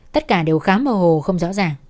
tất cả đều khá mơ hồ không rõ ràng